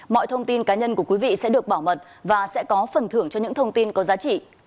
mọi thông tin cá nhân của quý vị sẽ được bảo mật và sẽ có phần thưởng cho những thông tin có giá trị